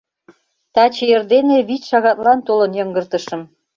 Таче эрдене вич шагатлан толын йыҥгыртышым.